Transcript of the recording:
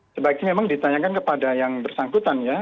sebaiknya memang ditanyakan kepada yang bersangkutan ya